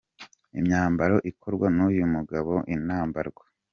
Imyambaro ikorwa n’uyu mugabo inambarwa.